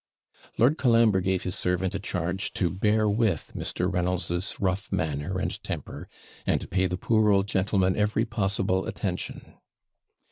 Lord Colambre gave his servant a charge to bear with Mr. Reynolds's rough manner and temper, and to pay the poor old gentleman every possible attention.